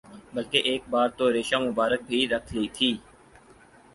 بلکہ ایک بار تو ریشہ مبارک بھی رکھ لی تھی